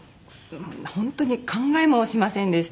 本当に考えもしませんでした。